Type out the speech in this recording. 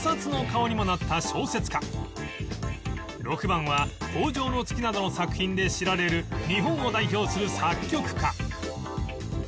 ６番は『荒城の月』などの作品で知られる日本を代表する作曲家